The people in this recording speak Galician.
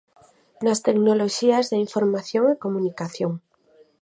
Nas tecnoloxías da información e comunicación.